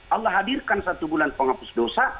allah hadirkan satu bulan penghapus dosa